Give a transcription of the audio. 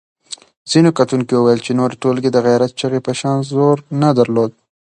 ځینو کتونکو وویل چې نورې ټولګې د غیرت چغې په شان زور نه درلود.